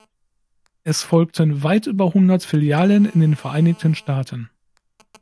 Es folgten weit über hundert Filialen in den Vereinigten Staaten.